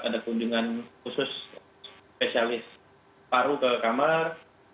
ada kunjungan khusus spesialis paru ke kamar